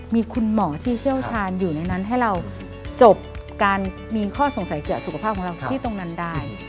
มีคุณหมอที่เชี่ยวชาญอยู่ในนั้นให้เราจบการมีข้อสงสัยเกี่ยวสุขภาพของเราที่ตรงนั้นได้